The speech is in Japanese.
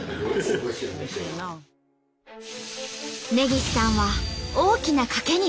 根岸さんは大きな賭けに出ることに。